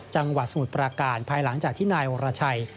จังหวัดสมุทรปราการภายหลังจากที่นายวรชัย